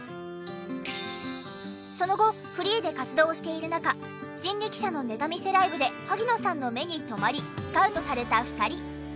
その後フリーで活動している中人力舎のネタ見せライブで萩野さんの目に留まりスカウトされた２人。